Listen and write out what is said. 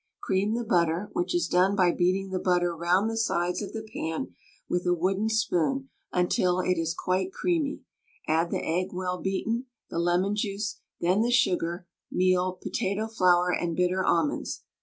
Cream the butter, which is done by beating the butter round the sides of the pan with a wooden spoon until it is quite creamy, add the egg well beaten, the lemon juice, then the sugar, meal, potato flour, and bitter almonds.